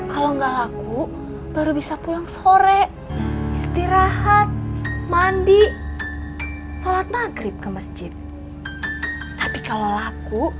kalau enggak laku baru bisa pulang sore istirahat mandi sholat maghrib ke masjid tapi kalau laku